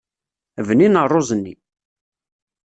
Bnin rruẓ-nni.